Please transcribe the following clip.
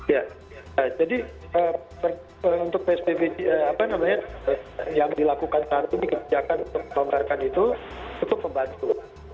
ya jadi untuk psbb apa namanya yang dilakukan saat ini kebijakan untuk melonggarkan itu cukup membantu